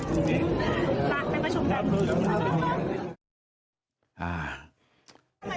ไปประชุมกัน